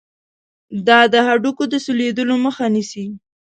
دا د هډوکو د سولیدلو مخه نیسي.